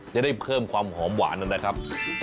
จะได้เพิ่มความหอมหวานอันดังนั้นครับ